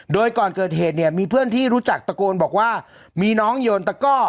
โดยก่อนเกิดเหตุเนี่ยมีเพื่อนที่รู้จักตะโกนบอกว่ามีน้องโยนตะก้อ